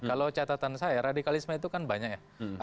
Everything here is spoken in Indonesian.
kalau catatan saya radikalisme itu kan banyak ya